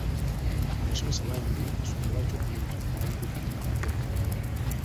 Abasomesa baayanjulirwa ensonga lwaki okunoonyereza kwali kugenda kukolebwa.